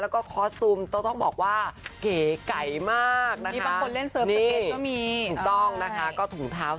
แล้วก็คอสตูมต้องบอกว่าเก๋ไก่มากนะคะ